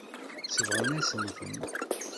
Sebɣent-asent-ten.